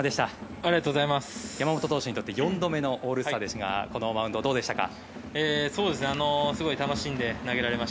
山本投手にとって４度目のオールスターでしたがこのマウンドどうでしたか？